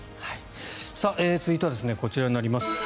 続いてはこちらになります。